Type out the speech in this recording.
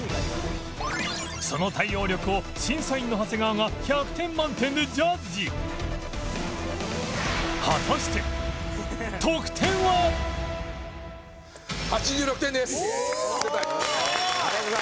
その対応力を審査員の長谷川が１００点満点でジャッジおおーっ！